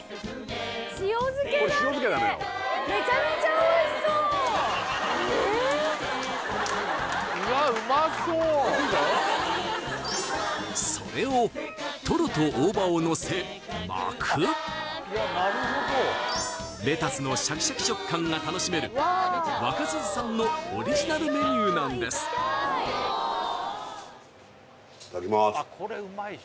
おいしそうでしょそれをトロと大葉をのせ巻くレタスのシャキシャキ食感が楽しめる若鈴さんのオリジナルメニューなんですいただきます